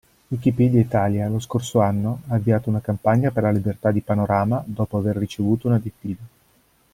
Wikipedia Italia, lo scorso anno, ha avviato una campagna per la Libertá di Panorama dopo aver ricevuto una diffida.